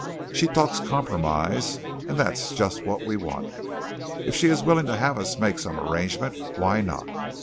She talks compromise and that's just what we want. If she is willing to have us make some arrangement, why not?